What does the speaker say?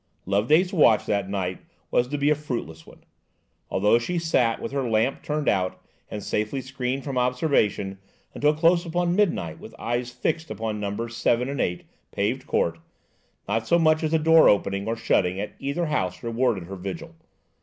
Loveday's watch that night was to be a fruitless one. Although she sat, with her lamp turned out and safely screened from observation, until close upon midnight, with eyes fixed upon numbers 7 and 8 Paved Court, not so much as a door opening or shutting at either house rewarded her vigil.